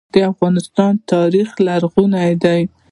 د افغانستان تاریخ لرغونی دی